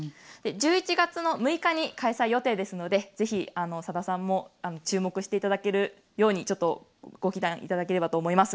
１１月６日に開催予定ですのでぜひ、さださんも注目していただけるようにしていただければと思います。